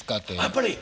やっぱり？